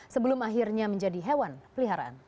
sebelum akhirnya menjadi hewan peliharaan